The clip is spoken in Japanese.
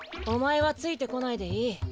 おまえはついてこないでいい。